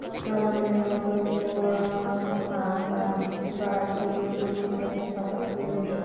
নবান্নের মতো পুরোনো খাতা বাদ দিয়ে নতুন একটা খাতা খুলে বসি।